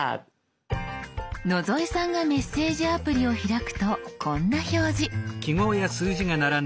野添さんがメッセージアプリを開くとこんな表示。